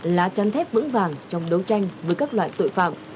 lá chắn thép vững vàng trong đấu tranh với các loại tội phạm